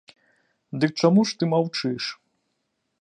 Дык чаму ж ты маўчыш?